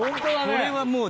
これはもう。